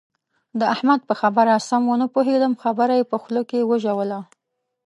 د احمد په خبره سم و نه پوهېدم؛ خبره يې په خوله کې وژوله.